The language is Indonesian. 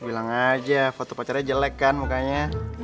bilang aja foto pacarnya jelek kan mukanya